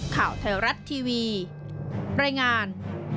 ข่าวไทยรัฐทีวีรายงาน